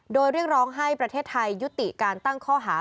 โดยเรียกร้องให้ประเทศไทยยุติการตั้งข้อหา